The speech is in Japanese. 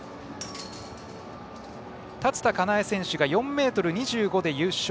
竜田香苗選手が４ｍ２５で優勝。